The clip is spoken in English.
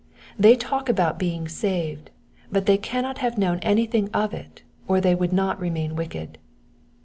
They talk about being saved, but they cannot have known anything of it or they would not lemuin wicked.